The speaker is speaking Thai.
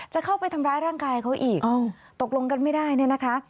จะเข้าไปทำร้ายร่างกายเขาอีกตกลงกันไม่ได้เนี่ยนะคะ